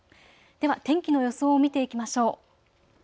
では天気の予想を見ていきましょう。